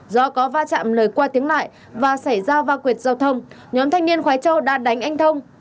do có va chạm lời qua tiếng lại và xảy ra va quyệt giao thông nhóm thanh niên khói châu đã đánh anh thông